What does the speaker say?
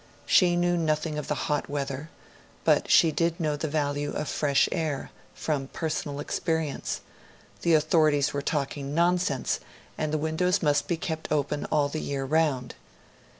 She knew nothing of the hot weather, but she did know the value of fresh air from personal experience; the authorities were talking nonsense; and the windows must be kept open all the year round.